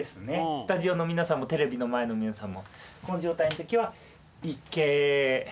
スタジオの皆さんもテレビの前の皆さんもこの状態の時は。